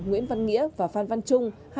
nguyễn văn nghĩa và phan văn trung